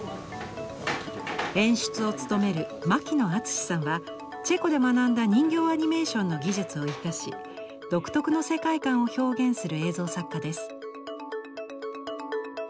演出を務める牧野惇さんはチェコで学んだ人形アニメーションの技術を生かし独特の世界観を表現する映像作家です。